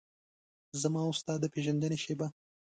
زما او ستا د پیژندنې شیبه